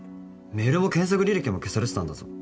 メールも検索履歴も消されてたんだぞ。